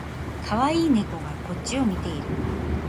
かわいい猫がこっちを見ている